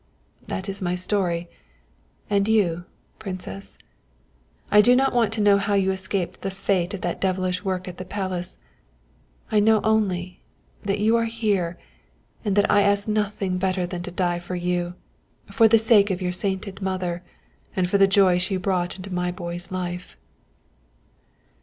That is my story and you, Princess? I do not want to know how you escaped the fate of that devilish work at the Palace. I know only, that you are here and that I ask nothing better than to die for you, for the sake of your sainted mother, and for the joy she brought into my boy's life."